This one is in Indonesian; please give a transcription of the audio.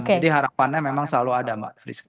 jadi harapannya memang selalu ada mbak rizky